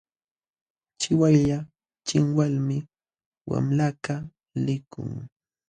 Chiwaylla chinwalmi wamlakaq likun.